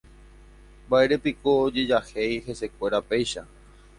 Mbaʼérepiko ojejahéi hesekuéra péicha.